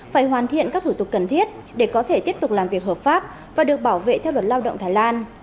phải hoàn thiện các thủ tục cần thiết để có thể tiếp tục làm việc hợp pháp và được bảo vệ theo luật lao động thái lan